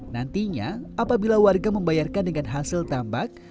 nantinya apabila warga membayarkan dengan hasil tambak